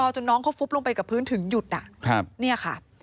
จนน้องเขาฟุบลงไปกับพื้นถึงหยุดเนี่ยค่ะ